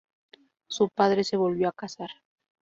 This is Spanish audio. Su padre se volvió a casar.